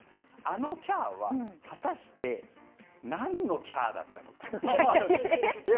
あのキャーは果たして何のキャーなのか。